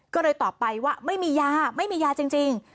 ก็เลยตอบไปว่าไม่มียาไม่มียาจริง